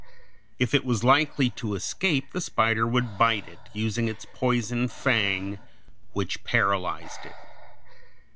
If it was likely to escape, the spider would bite it, using its poison fang (Fig. 173), which paralyzed it.